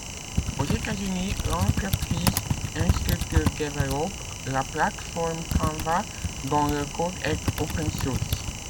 Aux États-Unis, l'entreprise Instructure développe la plateforme Canvas, dont le code est OpenSource.